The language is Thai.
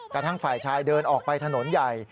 กระทั่งฝ่ายชายเดินออกไปถนนใหญ่